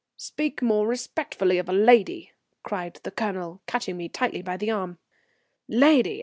"Speak more respectfully of a lady," cried the Colonel, catching me tightly by the arm. "Lady?